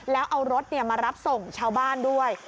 แล้วเอารถมารับส่งชาวบ้านด้วย